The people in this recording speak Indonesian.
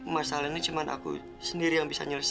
masalah ini cuma aku sendiri yang bisa nyurusin